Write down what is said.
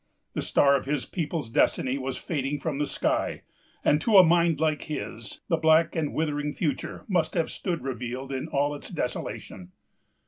The star of his people's destiny was fading from the sky; and, to a mind like his, the black and withering future must have stood revealed in all its desolation.